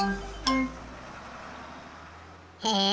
へえ！